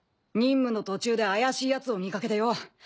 任務の途中で怪しいヤツを見かけてよ。